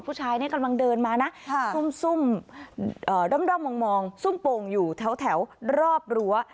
ผู้ชายนี่กำลังเดินมานะซุ่มด้อมมองซุ่มโป่งอยู่แถวรอบรั้ว